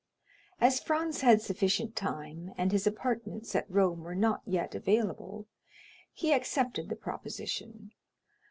As Franz had sufficient time, and his apartments at Rome were not yet available, he accepted the proposition.